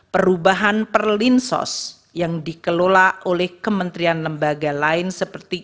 perubahan perlinsos yang dikelola oleh kementerian lembaga lain seperti